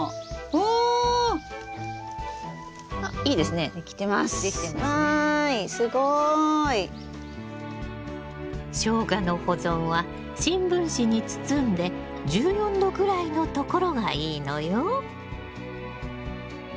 わいすごい！ショウガの保存は新聞紙に包んで１４℃ぐらいの所がいいのよ。